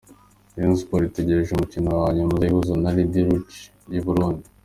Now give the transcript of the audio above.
Rayon Sports itegereje umukino wa nyuma uzayihuza na Lydia Ludic y’i Burundi.